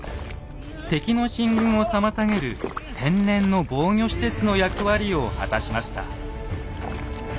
敵の進軍を妨げる天然の防御施設の役割を果たしました。